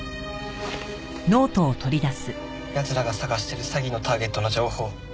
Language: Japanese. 奴らが捜してる詐欺のターゲットの情報。